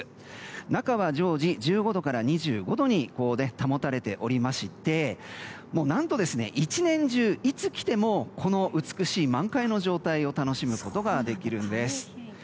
中は常時１５度から２５度に保たれておりまして何と、１年中いつ来てもこの美しい満開の状態を楽しむことができるんです。